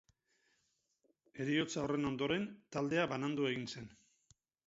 Heriotza horren ondoren, taldea banandu egin zen.